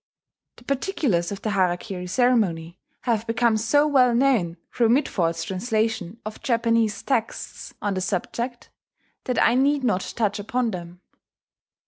The particulars of the harakiri ceremony have become so well known through Mitford's translation of Japanese texts on the subject, that I need not touch upon them.